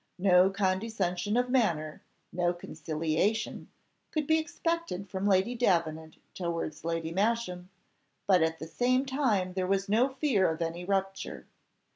No condescension of manner, no conciliation, could be expected from Lady Davenant towards Lady Masham, but at the same time there was no fear of any rupture.